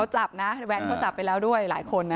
จับนะแว้นเขาจับไปแล้วด้วยหลายคนนะ